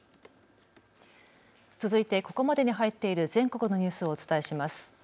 続いてここまでに入っている全国のニュースをお伝えします。